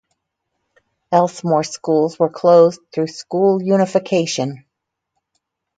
Elsmore schools were closed through school unification.